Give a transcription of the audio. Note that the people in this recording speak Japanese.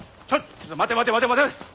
ちょっ待て待て待て待て。